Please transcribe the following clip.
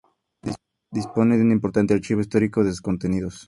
Dispone un importante archivo histórico de sus contenidos.